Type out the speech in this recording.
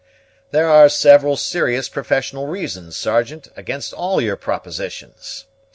"There are several serious professional reasons, Sergeant, against all your propositions.